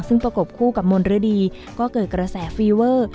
ซึ่งประกบคู่กับมนฤดีก็เกิดกระแสฟีเวอร์